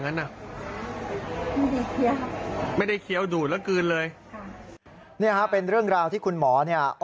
มันมีสิ่งแปลกปลอมอยู่ในลำไส้